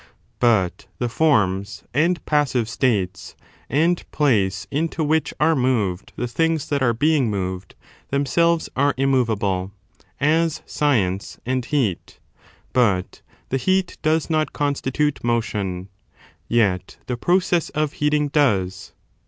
But the forms, and passive states, and place into which are moved the things that are being moved, themselves are immovable, as science and heat ; but the heat does not constitute motion, yet the process of heating does.